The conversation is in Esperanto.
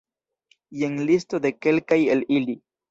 Jen listo de kelkaj el ili.